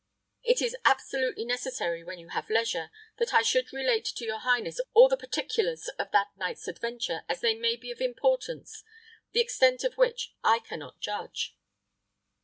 It is absolutely necessary, when you have leisure, that I should relate to your highness all the particulars of that night's adventure, as they may be of importance, the extent of which I can not judge."